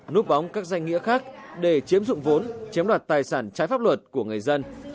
núp bóng các danh nghĩa khác để chiếm dụng vốn chiếm đoạt tài sản trái pháp luật của người dân